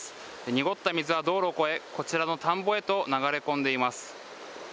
濁った水が道路を越え、こちらの田んぼへと流れ込んでいます。